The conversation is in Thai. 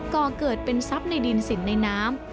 ก่อเกิดเป็นทรัพย์ในดินสินในน้ำ